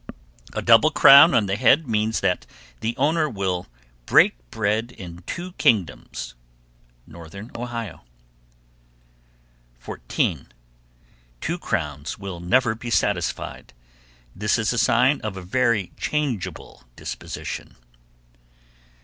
A double crown on the head means that the owner will "break bread in two kingdoms." Northern Ohio. 14. "Two crowns will never be satisfied." This is a sign of a very changeable disposition.